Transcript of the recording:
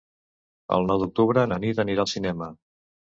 El nou d'octubre na Nit anirà al cinema.